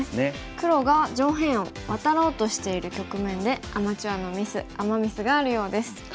黒が上辺をワタろうとしている局面でアマチュアのミスアマ・ミスがあるようです。